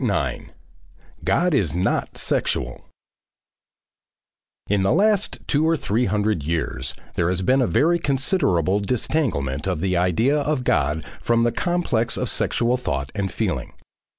9. GOD IS NOT SEXUAL In the last two or three hundred years there has been a very considerable disentanglement of the idea of God from the complex of sexual thought and feeling.